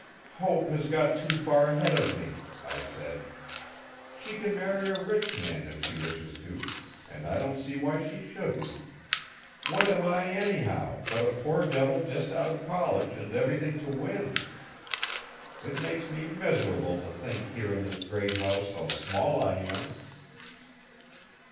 'Hope has got too far ahead of me,' I said. 'She can marry a rich man if she wishes to, and I don't see why she shouldn't. What am I, anyhow, but a poor devil just out of college and everything to win? It makes me miserable to think here in this great house how small I am.'